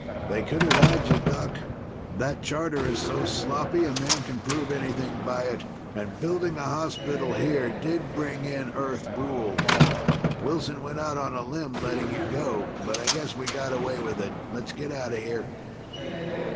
"They could have had you, Doc. That charter is so sloppy a man can prove anything by it, and building a hospital here did bring in Earth rules. Wilson went out on a limb in letting you go. But I guess we got away with it. Let's get out of here."